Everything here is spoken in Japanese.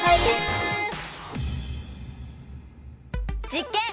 実験！